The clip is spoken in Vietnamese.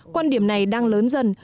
quan điểm này đang lớn dần